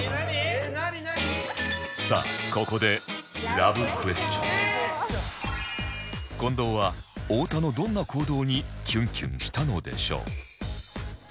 さあここで近藤は太田のどんな行動にキュンキュンしたのでしょう？